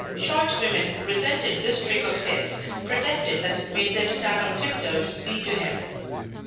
Short women resented this trick of his, protesting that it made them stand on tiptoe to speak to him.